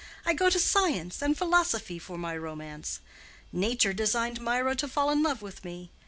"I go to science and philosophy for my romance. Nature designed Mirah to fall in love with me.